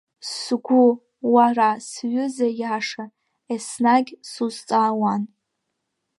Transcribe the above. Сгәы, уара, сҩыза иаша, еснагь сузҵаауан.